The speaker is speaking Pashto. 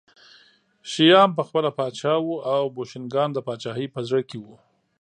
شیام پخپله پاچا و او بوشنګان د پاچاهۍ په زړه کې وو